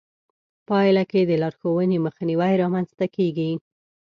پايله کې د لارښوونې مخنيوی رامنځته کېږي.